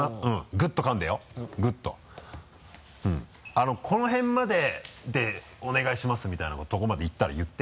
あのこのへんまででお願いしますみたいなところまで行ったら言って。